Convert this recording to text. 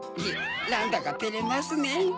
なんだかてれますね。